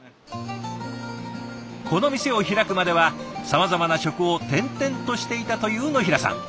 この店を開くまではさまざまな職を転々としていたという野平さん。